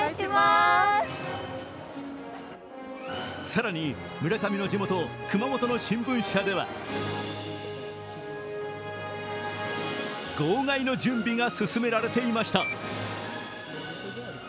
更に、村上の地元・熊本の新聞社では号外の準備が進められていました。